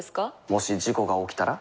もし事故が起きたら？